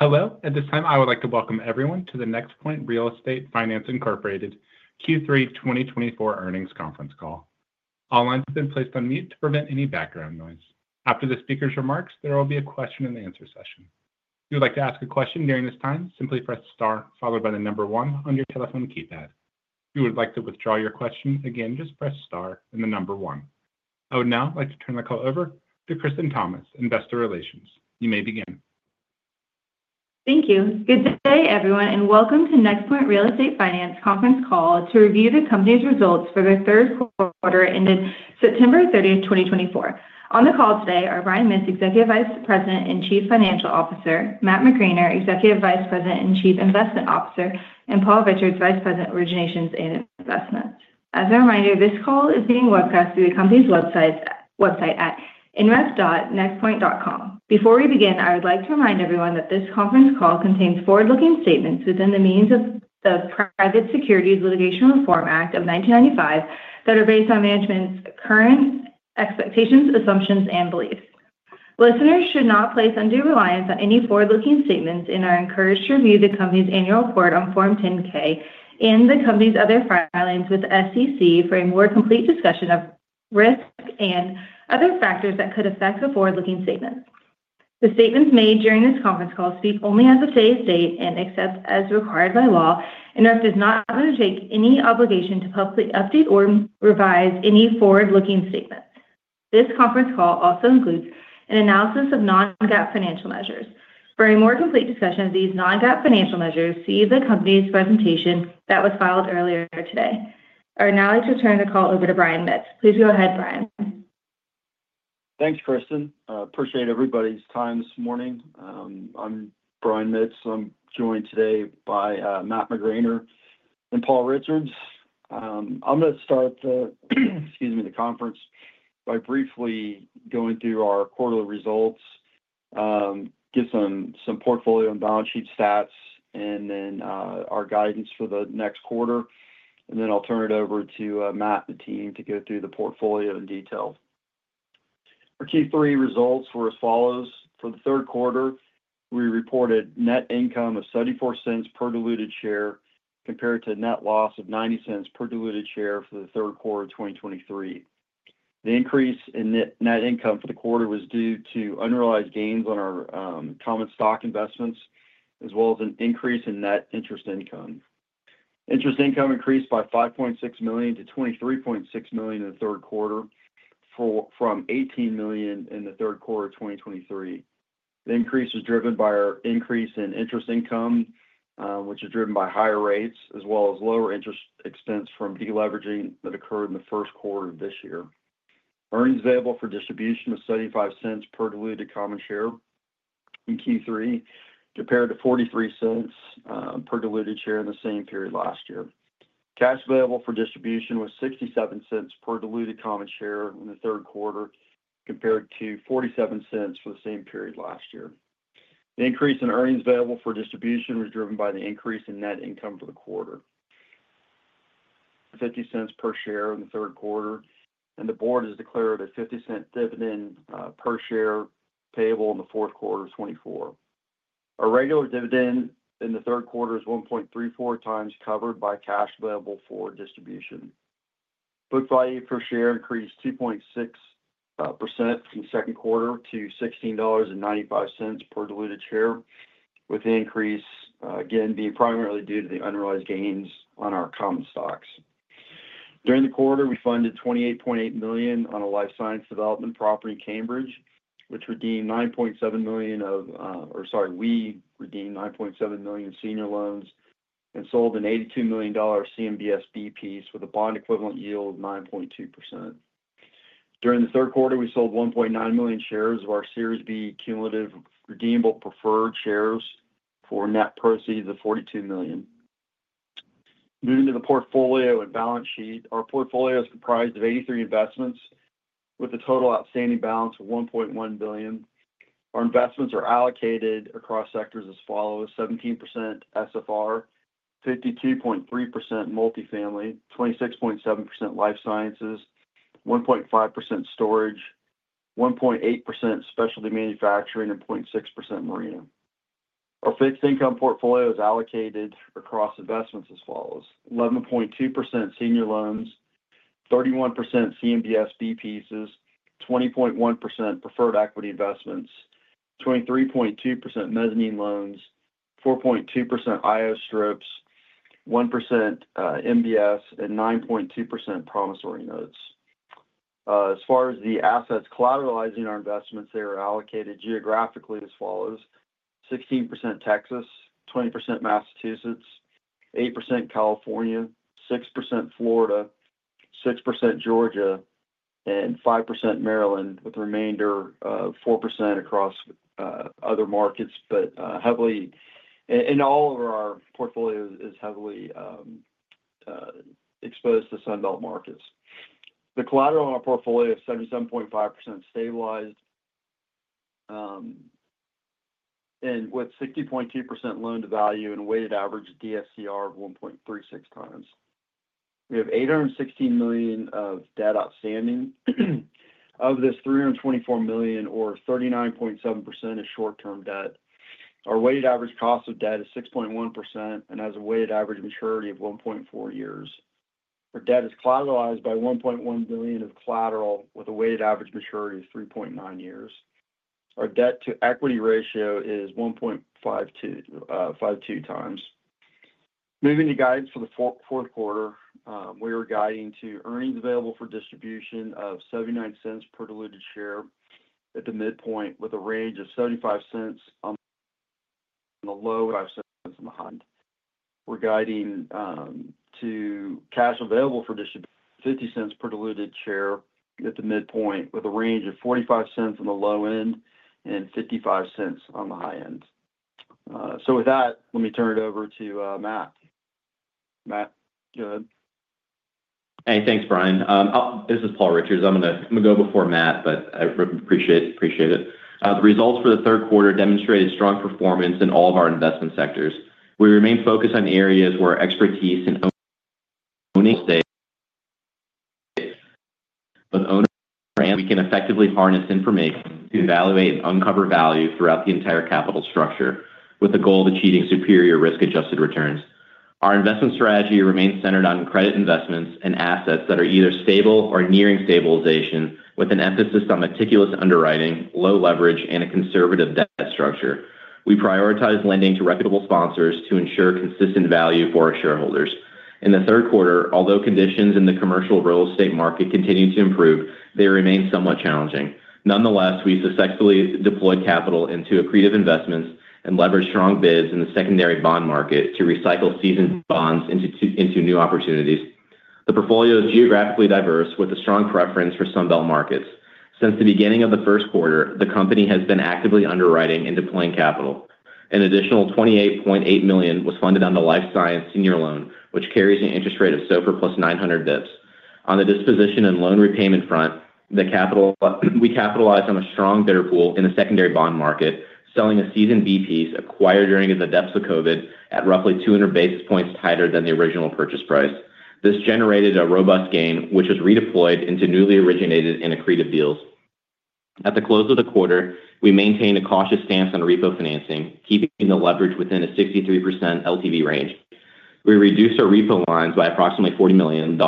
Hello. At this time, I would like to welcome everyone to the NexPoint Real Estate Finance Incorporated Q3 2024 earnings conference call. All lines have been placed on mute to prevent any background noise. After the speaker's remarks, there will be a question-and-answer session. If you would like to ask a question during this time, simply press star followed by the number one on your telephone keypad. If you would like to withdraw your question again, just press star and the number one. I would now like to turn the call over to Kristen Thomas, Investor Relations. You may begin. Thank you. Good day, everyone, and welcome to NexPoint Real Estate Finance Conference Call to review the company's results for the third quarter ended September 30, 2024. On the call today are Brian Mitts, Executive Vice President and Chief Financial Officer, Matt McGraner, Executive Vice President and Chief Investment Officer, and Paul Richards, Vice President, Originations and Investments. As a reminder, this call is being broadcast through the company's website at ir.nexpoint.com. Before we begin, I would like to remind everyone that this conference call contains forward-looking statements within the meaning of the Private Securities Litigation Reform Act of 1995 that are based on management's current expectations, assumptions, and beliefs. Listeners should not place undue reliance on any forward-looking statements and are encouraged to review the company's annual report on Form 10-K and the company's other filings with the SEC for a more complete discussion of risk and other factors that could affect the forward-looking statements. The statements made during this conference call speak only as of today's date and except as required by law. NeXPoint does not undertake any obligation to publicly update or revise any forward-looking statements. This conference call also includes an analysis of non-GAAP financial measures. For a more complete discussion of these non-GAAP financial measures, see the company's presentation that was filed earlier today. I would now like to turn the call over to Brian Mitts. Please go ahead, Brian. Thanks, Kristen. I appreciate everybody's time this morning. I'm Brian Mitts. I'm joined today by Matt McGraner and Paul Richards. I'm going to start, excuse me, the conference by briefly going through our quarterly results, give some portfolio and balance sheet stats, and then our guidance for the next quarter. Then I'll turn it over to Matt and the team to go through the portfolio in detail. Our Q3 results were as follows. For the third quarter, we reported net income of $0.74 per diluted share compared to net loss of $0.90 per diluted share for the third quarter of 2023. The increase in net income for the quarter was due to unrealized gains on our common stock investments, as well as an increase in net interest income. Interest income increased by $5.6 million to $23.6 million in the third quarter from $18 million in the third quarter of 2023. The increase was driven by our increase in interest income, which is driven by higher rates, as well as lower interest expense from deleveraging that occurred in the first quarter of this year. Earnings Available for Distribution was $0.75 per diluted common share in Q3, compared to $0.43 per diluted share in the same period last year. Cash Available for Distribution was $0.67 per diluted common share in the third quarter, compared to $0.47 for the same period last year. The increase in Earnings Available for Distribution was driven by the increase in net income for the quarter, $0.50 per share in the third quarter, and the board has declared a $0.50 dividend per share payable in the fourth quarter of 2024. Our regular dividend in the third quarter is 1.34 times covered by cash available for distribution. Book value per share increased 2.6% from the second quarter to $16.95 per diluted share, with the increase again being primarily due to the unrealized gains on our common stocks. During the quarter, we funded $28.8 million on a life sciences development property in Cambridge. We redeemed $9.7 million senior loans and sold an $82 million CMBS B-piece with a bond-equivalent yield of 9.2%. During the third quarter, we sold 1.9 million shares of our Series B Cumulative Redeemable Preferred Shares for net proceeds of $42 million. Moving to the portfolio and balance sheet, our portfolio is comprised of 83 investments with a total outstanding balance of $1.1 billion. Our investments are allocated across sectors as follows: 17% SFR, 52.3% multifamily, 26.7% life sciences, 1.5% storage, 1.8% specialty manufacturing, and 0.6% marina. Our fixed income portfolio is allocated across investments as follows: 11.2% senior loans, 31% CMBS B-pieces, 20.1% preferred equity investments, 23.2% mezzanine loans, 4.2% IO strips, 1% MBS, and 9.2% promissory notes. As far as the assets collateralizing our investments, they are allocated geographically as follows: 16% Texas, 20% Massachusetts, 8% California, 6% Florida, 6% Georgia, and 5% Maryland, with the remainder of 4% across other markets. But heavily in all of our portfolio is heavily exposed to Sunbelt markets. The collateral in our portfolio is 77.5% stabilized and with 60.2% loan-to-value and weighted average DSCR of 1.36 times. We have $816 million of debt outstanding. Of this, $324 million, or 39.7%, is short-term debt. Our weighted average cost of debt is 6.1% and has a weighted average maturity of 1.4 years. Our debt is collateralized by $1.1 million of collateral with a weighted average maturity of 3.9 years. Our debt-to-equity ratio is 1.52 times. Moving to guidance for the fourth quarter, we are guiding to earnings available for distribution of $0.79 per diluted share at the midpoint, with a range of $0.75 on the low and $0.05 on the high end. We're guiding to cash available for distribution of $0.50 per diluted share at the midpoint, with a range of $0.45 on the low end and $0.55 on the high end. So with that, let me turn it over to Matt. Matt, go ahead. Hey, thanks, Brian. This is Paul Richards. I'm going to go before Matt, but I appreciate it. The results for the third quarter demonstrate a strong performance in all of our investment sectors. We remain focused on areas where expertise and and we can effectively harness information to evaluate and uncover value throughout the entire capital structure with the goal of achieving superior risk-adjusted returns. Our investment strategy remains centered on credit investments and assets that are either stable or nearing stabilization, with an emphasis on meticulous underwriting, low leverage, and a conservative debt structure. We prioritize lending to reputable sponsors to ensure consistent value for our shareholders. In the third quarter, although conditions in the commercial real estate market continue to improve, they remain somewhat challenging. Nonetheless, we successfully deployed capital into accretive investments and leveraged strong bids in the secondary bond market to recycle seasoned bonds into new opportunities. The portfolio is geographically diverse with a strong preference for Sunbelt markets. Since the beginning of the first quarter, the company has been actively underwriting and deploying capital. An additional $28.8 million was funded on the life science senior loan, which carries an interest rate of SOFR plus 900 basis points. On the disposition and loan repayment front, we capitalized on a strong bidder pool in the secondary bond market, selling a seasoned B piece acquired during the depths of COVID at roughly 200 basis points tighter than the original purchase price. This generated a robust gain, which was redeployed into newly originated and accretive deals. At the close of the quarter, we maintained a cautious stance on repo financing, keeping the leverage within a 63% LTV range. We reduced our repo lines by approximately $40 million,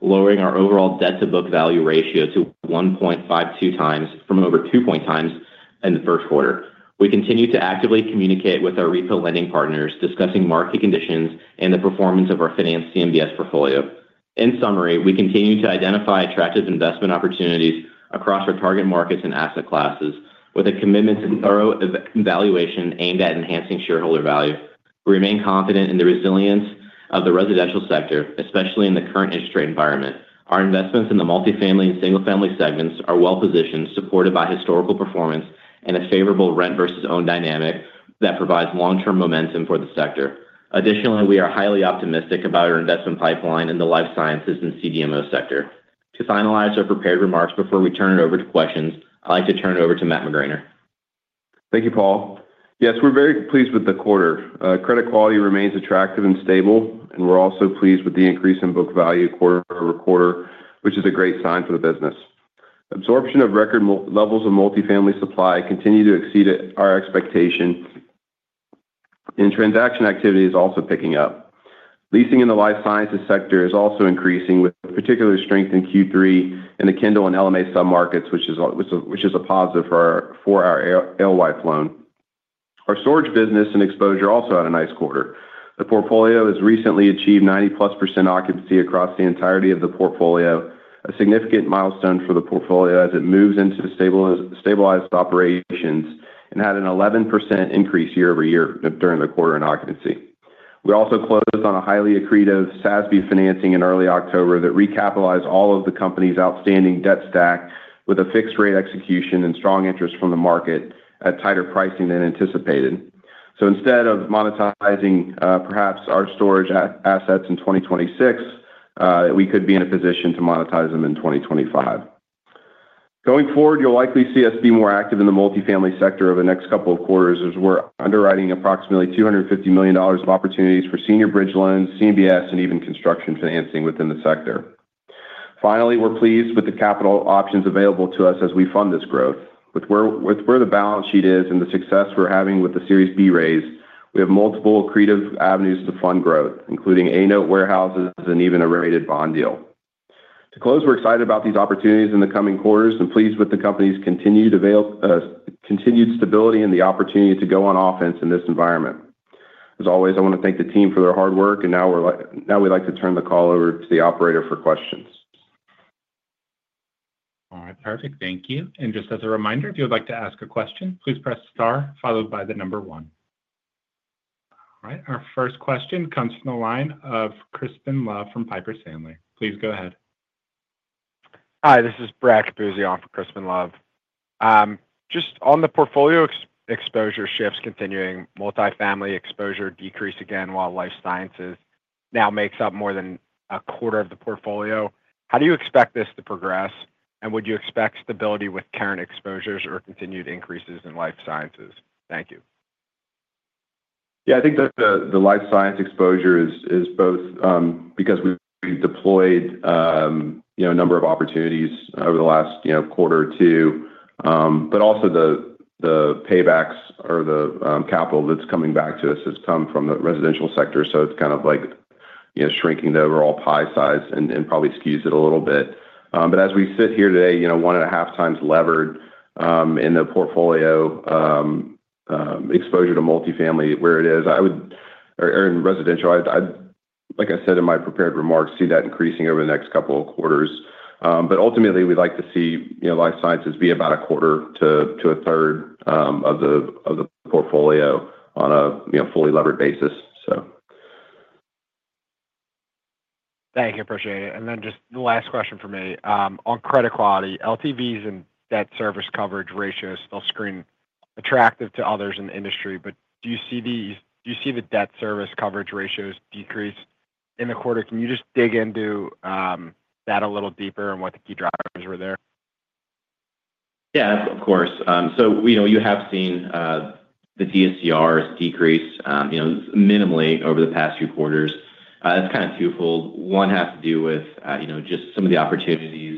lowering our overall debt-to-book value ratio to 1.52x from over 2.0x in the first quarter. We continue to actively communicate with our repo lending partners, discussing market conditions and the performance of our finance CMBS portfolio. In summary, we continue to identify attractive investment opportunities across our target markets and asset classes, with a commitment to thorough evaluation aimed at enhancing shareholder value. We remain confident in the resilience of the residential sector, especially in the current interest rate environment. Our investments in the multifamily and single-family segments are well positioned, supported by historical performance and a favorable rent versus own dynamic that provides long-term momentum for the sector. Additionally, we are highly optimistic about our investment pipeline in the life sciences and CDMO sector. To finalize our prepared remarks before we turn it over to questions, I'd like to turn it over to Matt McGraner. Thank you, Paul. Yes, we're very pleased with the quarter. Credit quality remains attractive and stable, and we're also pleased with the increase in book value quarter over quarter, which is a great sign for the business. Absorption of record levels of multifamily supply continues to exceed our expectation, and transaction activity is also picking up. Leasing in the Life Sciences sector is also increasing, with particular strength in Q3 in the Kendall Square and LMA sub-markets, which is a positive for our Life loan. Our storage business and exposure also had a nice quarter. The portfolio has recently achieved 90+% occupancy across the entirety of the portfolio, a significant milestone for the portfolio as it moves into stabilized operations and had an 11% increase year over year during the quarter in occupancy. We also closed on a highly accretive SASB financing in early October that recapitalized all of the company's outstanding debt stack with a fixed-rate execution and strong interest from the market at tighter pricing than anticipated. So instead of monetizing perhaps our storage assets in 2026, we could be in a position to monetize them in 2025. Going forward, you'll likely see us be more active in the multifamily sector over the next couple of quarters, as we're underwriting approximately $250 million of opportunities for senior bridge loans, CMBS, and even construction financing within the sector. Finally, we're pleased with the capital options available to us as we fund this growth. With where the balance sheet is and the success we're having with the Series B raise, we have multiple accretive avenues to fund growth, including A-Note warehouses and even a rated bond deal. To close, we're excited about these opportunities in the coming quarters and pleased with the company's continued stability and the opportunity to go on offense in this environment. As always, I want to thank the team for their hard work, and now we'd like to turn the call over to the operator for questions. All right. Perfect. Thank you. And just as a reminder, if you'd like to ask a question, please press star followed by the number one. All right. Our first question comes from the line of Crispin Love from Piper Sandler. Please go ahead. Hi, this is Brad Capuzzi off of Crispin Love. Just on the portfolio exposure shifts continuing, multifamily exposure decreased again while life sciences now makes up more than a quarter of the portfolio. How do you expect this to progress, and would you expect stability with current exposures or continued increases in life sciences? Thank you. Yeah, I think the life sciences exposure is both because we've deployed a number of opportunities over the last quarter or two, but also the paybacks or the capital that's coming back to us has come from the residential sector, so it's kind of like shrinking the overall pie size and probably skews it a little bit. But as we sit here today, one and a half times levered in the portfolio exposure to multifamily where it is, I would, or in residential, like I said in my prepared remarks, see that increasing over the next couple of quarters, but ultimately, we'd like to see life sciences be about a quarter to a third of the portfolio on a fully levered basis, so. Thank you. Appreciate it. And then just the last question for me. On credit quality, LTVs and debt service coverage ratios still screen attractive to others in the industry, but do you see the debt service coverage ratios decrease in the quarter? Can you just dig into that a little deeper and what the key drivers were there? Yeah, of course. So you have seen the DSCRs decrease minimally over the past few quarters. It's kind of twofold. One has to do with just some of the opportunities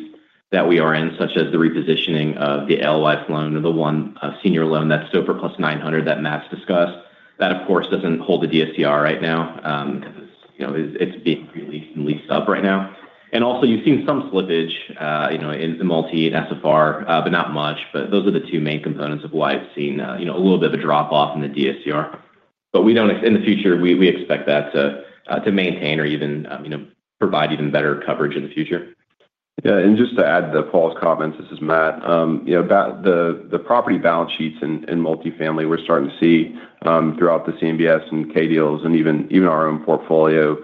that we are in, such as the repositioning of the life loan or the one senior loan that's SOFR plus 900 that Matt's discussed. That, of course, doesn't hold the DSCR right now because it's being released and leased up right now. And also, you've seen some slippage in the multi and SFR, but not much. But those are the two main components of why it's seen a little bit of a drop-off in the DSCR. But in the future, we expect that to maintain or even provide even better coverage in the future. Yeah. And just to add to Paul's comments, this is Matt. The property balance sheets in multifamily, we're starting to see throughout the CMBS and K-Deals and even our own portfolio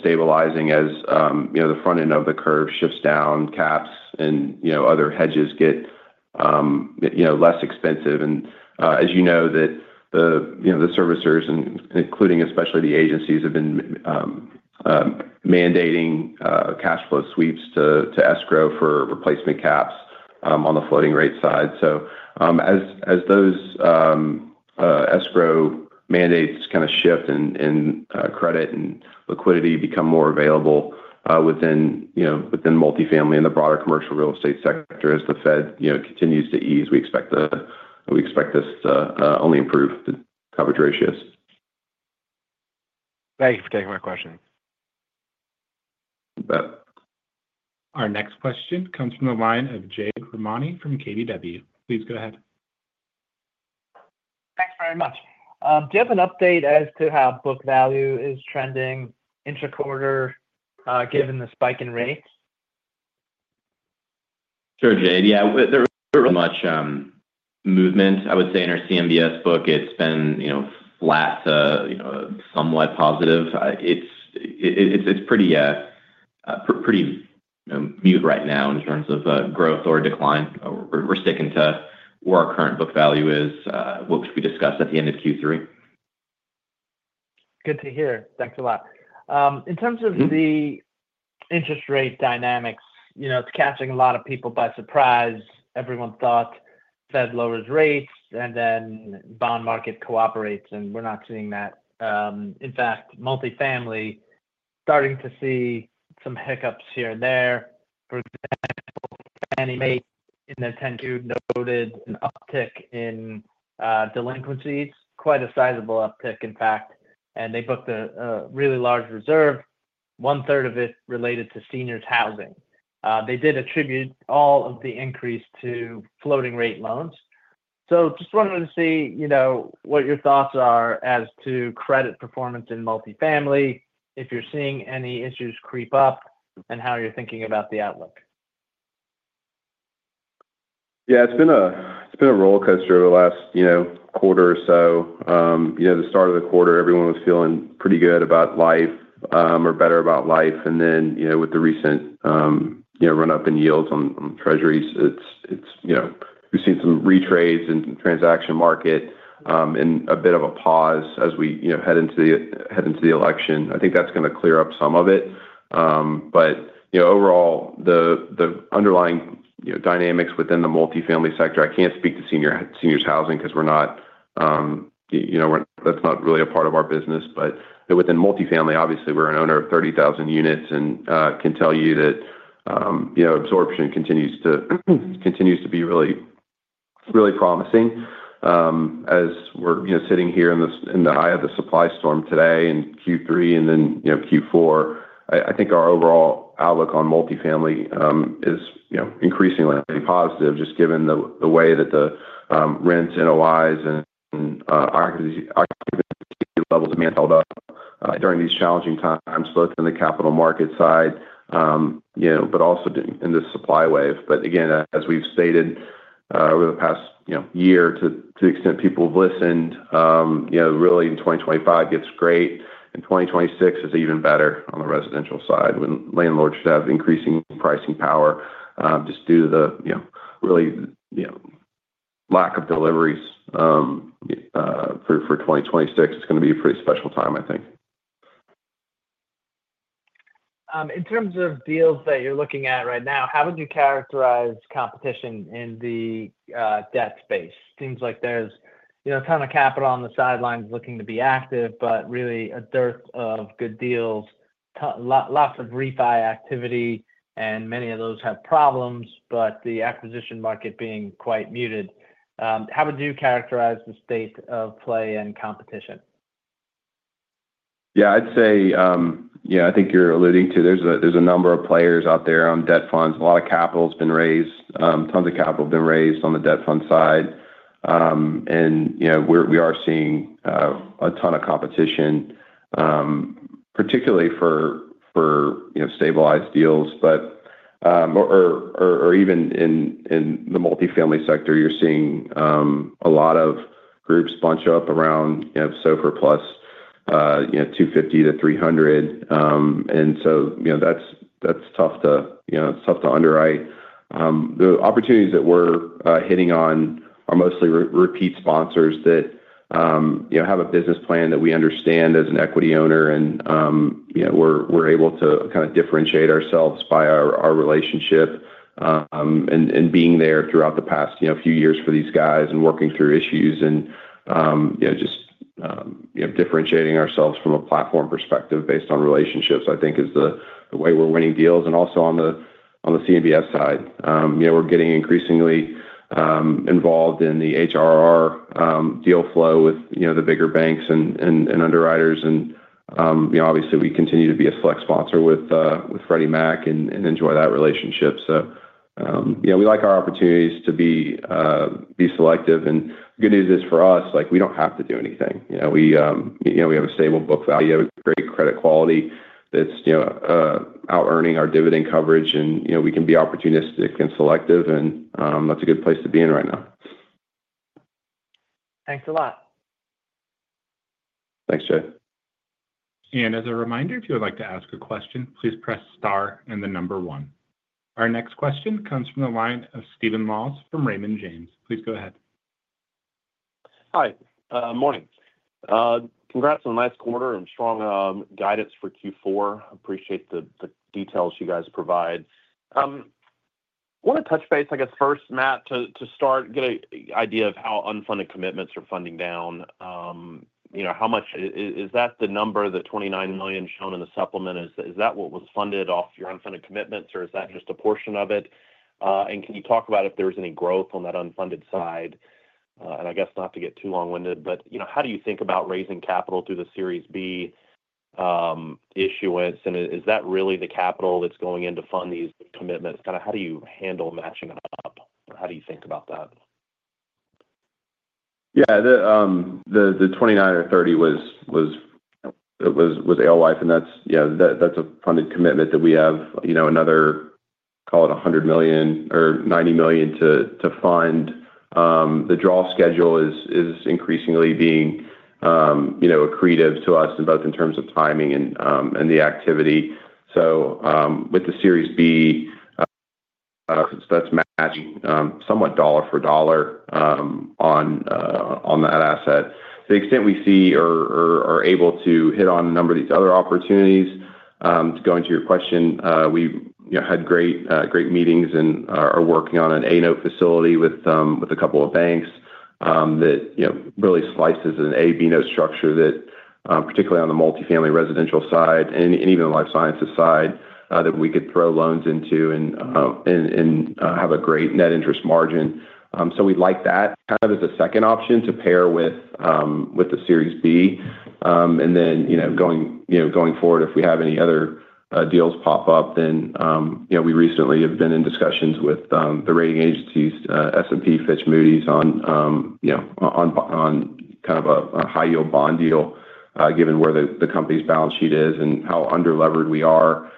stabilizing as the front end of the curve shifts down, caps, and other hedges get less expensive. And as you know, the servicers, including especially the agencies, have been mandating cash flow sweeps to escrow for replacement caps on the floating rate side. So as those escrow mandates kind of shift and credit and liquidity become more available within multifamily and the broader commercial real estate sector as the Fed continues to ease, we expect this to only improve the coverage ratios. Thank you for taking my question. You bet. Our next question comes from the line of Jade Rahmani from KBW. Please go ahead. Thanks very much. Do you have an update as to how book value is trending interquarter given the spike in rates? Sure, Jade. Yeah. There wasn't much movement, I would say, in our CMBS book. It's been flat to somewhat positive. It's pretty moot right now in terms of growth or decline. We're sticking to where our current book value is, which we discussed at the end of Q3. Good to hear. Thanks a lot. In terms of the interest rate dynamics, it's catching a lot of people by surprise. Everyone thought the Fed lowers rates and then the bond market cooperates, and we're not seeing that. In fact, multifamily is starting to see some hiccups here and there. For example, Fannie Mae in the 10-Q noted an uptick in delinquencies, quite a sizable uptick, in fact. And they booked a really large reserve, one-third of it related to seniors' housing. They did attribute all of the increase to floating-rate loans. So just wanted to see what your thoughts are as to credit performance in multifamily, if you're seeing any issues creep up, and how you're thinking about the outlook. Yeah, it's been a rollercoaster over the last quarter or so. The start of the quarter, everyone was feeling pretty good about life or better about life. And then with the recent run-up in yields on Treasuries, we've seen some retreats in the transaction market and a bit of a pause as we head into the election. I think that's going to clear up some of it. But overall, the underlying dynamics within the multifamily sector, I can't speak to seniors' housing because we're not, that's not really a part of our business. But within multifamily, obviously, we're an owner of 30,000 units and can tell you that absorption continues to be really promising. As we're sitting here in the eye of the supply storm today in Q3 and then Q4, I think our overall outlook on multifamily is increasingly positive, just given the way that the rent, NOIs, and occupancy levels have ramped up during these challenging times, both in the capital market side but also in the supply wave. But again, as we've stated over the past year, to the extent people have listened, really in 2025 gets great. In 2026 is even better on the residential side, when landlords should have increasing pricing power just due to the real lack of deliveries for 2026. It's going to be a pretty special time, I think. In terms of deals that you're looking at right now, how would you characterize competition in the debt space? Seems like there's a ton of capital on the sidelines looking to be active, but really a dearth of good deals, lots of refi activity, and many of those have problems, but the acquisition market being quite muted. How would you characterize the state of play and competition? Yeah, I'd say I think you're alluding to there's a number of players out there on debt funds. A lot of capital has been raised. Tons of capital have been raised on the debt fund side, and we are seeing a ton of competition, particularly for stabilized deals, or even in the multifamily sector, you're seeing a lot of groups bunch up around so far plus 250 to 300, and so that's tough to underwrite. The opportunities that we're hitting on are mostly repeat sponsors that have a business plan that we understand as an equity owner, and we're able to kind of differentiate ourselves by our relationship and being there throughout the past few years for these guys and working through issues and just differentiating ourselves from a platform perspective based on relationships, I think, is the way we're winning deals. Also on the CMBS side, we're getting increasingly involved in the HRR deal flow with the bigger banks and underwriters. And obviously, we continue to be a select sponsor with Freddie Mac and enjoy that relationship. So we like our opportunities to be selective. And the good news is for us, we don't have to do anything. We have a stable book value, a great credit quality that's out-earning our dividend coverage, and we can be opportunistic and selective, and that's a good place to be in right now. Thanks a lot. Thanks, Jade. And as a reminder, if you would like to ask a question, please press star and then number one. Our next question comes from the line of Stephen Moss from Raymond James. Please go ahead. Hi. Morning. Congrats on the last quarter and strong guidance for Q4. Appreciate the details you guys provide. I want to touch base, I guess, first, Matt, to start, get an idea of how unfunded commitments are funding down. Is that the number, the $29 million shown in the supplement? Is that what was funded off your unfunded commitments, or is that just a portion of it? And can you talk about if there was any growth on that unfunded side? And I guess not to get too long-winded, but how do you think about raising capital through the Series B issuance? And is that really the capital that's going in to fund these commitments? Kind of how do you handle matching it up? How do you think about that? Yeah. The 29 or 30 was LWIFE, and that's a funded commitment that we have another, call it $100 million or $90 million to fund. The draw schedule is increasingly being accretive to us, both in terms of timing and the activity. So with the Series B, that's matching somewhat dollar for dollar on that asset. To the extent we see or are able to hit on a number of these other opportunities, to go into your question, we had great meetings and are working on an A-Note facility with a couple of banks that really slices an A/B Note structure that, particularly on the multifamily residential side and even the life sciences side, that we could throw loans into and have a great net interest margin. So we'd like that kind of as a second option to pair with the Series B. Then going forward, if we have any other deals pop up, then we recently have been in discussions with the rating agencies, S&P, Fitch, Moody's, on kind of a high-yield bond deal, given where the company's balance sheet is and how underlevered we are.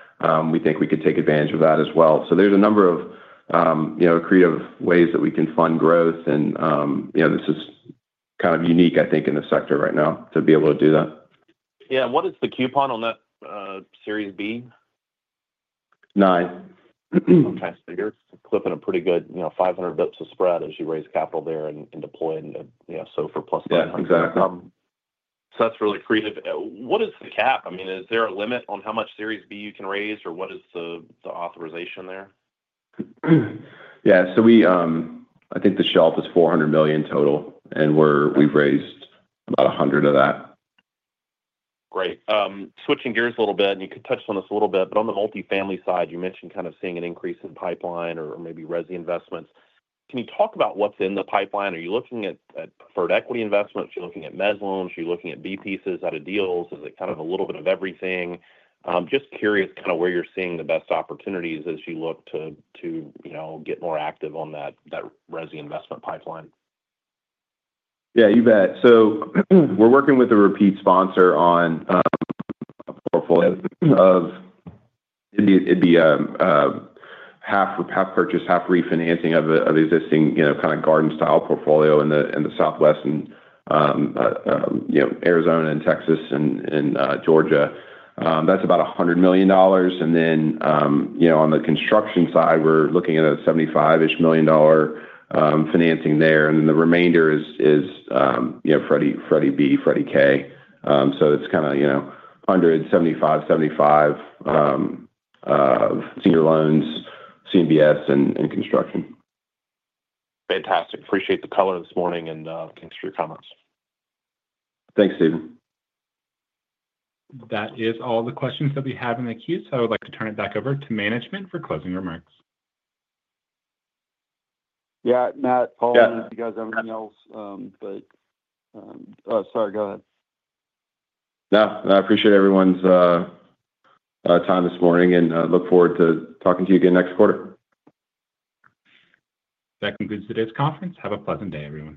We think we could take advantage of that as well. So there's a number of accretive ways that we can fund growth, and this is kind of unique, I think, in the sector right now to be able to do that. Yeah. What is the coupon on that Series B? Nine. Okay. So you're clipping a pretty good 500 basis points of spread as you raise capital there and deploy into SOFR plus 900. Yeah. Exactly. So that's really accretive. What is the cap? I mean, is there a limit on how much Series B you can raise, or what is the authorization there? Yeah. So I think the shelf is $400 million total, and we've raised about $100 million of that. Great. Switching gears a little bit, and you could touch on this a little bit, but on the multifamily side, you mentioned kind of seeing an increase in pipeline or maybe Resi investments. Can you talk about what's in the pipeline? Are you looking at preferred equity investments? Are you looking at mezz loans? Are you looking at B pieces out of deals? Is it kind of a little bit of everything? Just curious kind of where you're seeing the best opportunities as you look to get more active on that Resi investment pipeline. Yeah, you bet. So we're working with a repeat sponsor on a portfolio of it'd be half purchase, half refinancing of existing kind of garden-style portfolio in the Southwest and Arizona and Texas and Georgia. That's about $100 million. And then on the construction side, we're looking at a 75-ish million dollar financing there. And then the remainder is Freddie B, Freddie K. So it's kind of 100, 75, 75 of senior loans, CMBS, and construction. Fantastic. Appreciate the color this morning and thanks for your comments. Thanks, Steven. That is all the questions that we have in the queue. So I would like to turn it back over to management for closing remarks. Yeah. Matt, Paul, you guys have anything else? But sorry, go ahead. No. I appreciate everyone's time this morning and look forward to talking to you again next quarter. That concludes today's conference. Have a pleasant day, everyone.